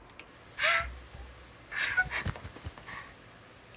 「あっ！